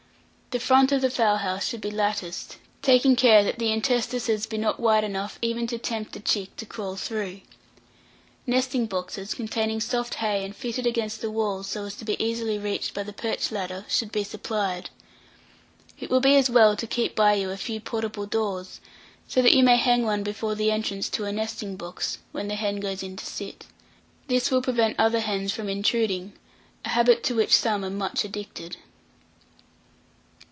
The front of the fowl house should be latticed, taking care that the interstices be not wide enough even to tempt a chick to crawl through. Nesting boxes, containing soft hay, and fitted against the walls, so as to be easily reached by the perch ladder, should be supplied. It will be as well to keep by you a few portable doors, so that you may hang one before the entrance to a nesting box, when the hen goes in to sit. This will prevent other hens from intruding, a habit to which some are much addicted.